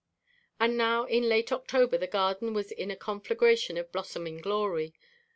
And now in late October the garden was in a conflagration of blossoming glory.